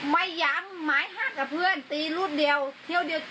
ไม่ย้ำหมายห้ากับเพื่อนตีรูปเดียวเที่ยวเดียว